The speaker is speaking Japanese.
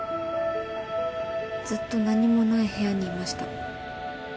ずっと何もない部屋にいました。